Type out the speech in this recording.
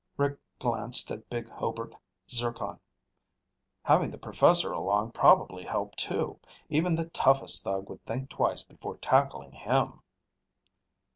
Rick glanced at big Hobart Zircon. "Having the professor along probably helped, too. Even the toughest thug would think twice before tackling him."